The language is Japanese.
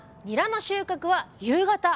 「ニラの収穫は夕方！」